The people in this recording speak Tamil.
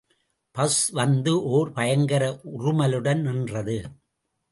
பஸ் வந்து ஓர் பயங்கர உறுமலுடன் நின்றது.